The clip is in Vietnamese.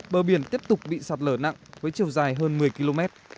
bờ biển tiếp tục bị sạt lở nặng với chiều dài hơn một mươi km